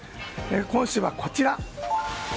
今週はこちら。